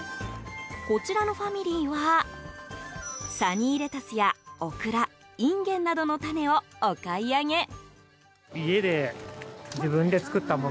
こちらのファミリーはサニーレタスやオクラインゲンなどの種をお買い上げ。